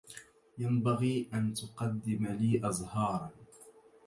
ينبغي أن تقدّم لي أزهارا.